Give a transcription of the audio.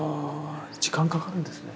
時間かかるんですね。